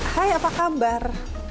hai apa kabar